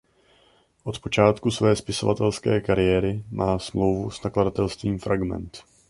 Od počátku své spisovatelské kariéry má smlouvu s nakladatelstvím Fragment.